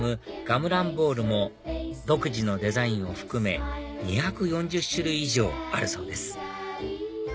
ガムランボールも独自のデザインを含め２４０種類以上あるそうです